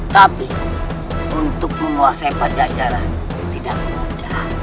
tapi untuk menguasai pajajaran tidak mudah